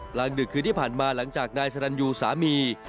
กลางดึกคืนที่ผ่านมาหลังจากนายสรรยูสามี